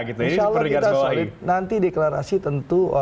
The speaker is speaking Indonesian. insya allah kita solid nanti deklarasi tentu